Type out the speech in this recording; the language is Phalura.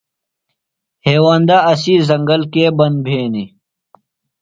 ہیوندہ اسی زنگل کے بند بھینیۡ؟